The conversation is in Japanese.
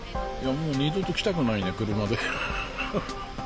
もう二度と来たくないね、車で。